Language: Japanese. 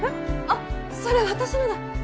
あっそれ私のだ